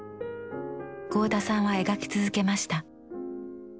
合田さんは描き続けました。